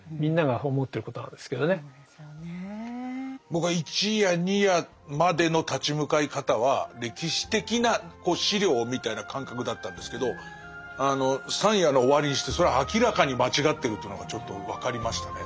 僕は１夜２夜までの立ち向かい方は歴史的な資料みたいな感覚だったんですけどあの３夜の終わりにしてそれは明らかに間違ってるというのがちょっと分かりましたね。